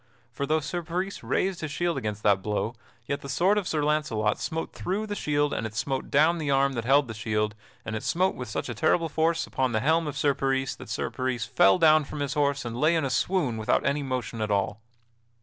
For though Sir Peris raised his shield against that blow, yet the sword of Sir Launcelot smote through the shield and it smote down the arm that held the shield, and it smote with such a terrible force upon the helm of Sir Peris that Sir Peris fell down from his horse and lay in a swoon without any motion at all.